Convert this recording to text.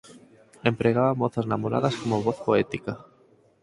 Empregaba mozas namoradas como voz poética.